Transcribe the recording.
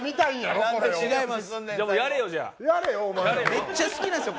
めっちゃ好きなんすよ